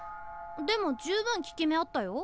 でも十分効き目あったよ。